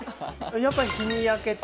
やっぱり日に焼けて。